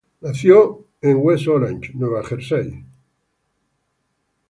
Nació en West Orange, Nueva Jersey.